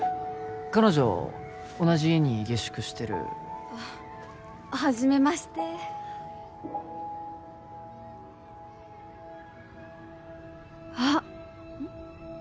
彼女同じ家に下宿してるあっはじめましてあっうん？